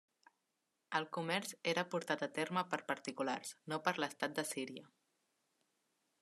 El comerç era portat a terme per particulars, no per l'estat d'Assíria.